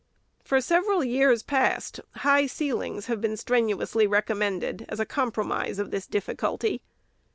For several years past, high ceil ings have been strenuously recommended as a compro mise of the difficulty.